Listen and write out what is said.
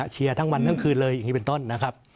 เชียร์ทั้งวันทั้งคืนเลยอย่างนี้เป็นต้นนะครับ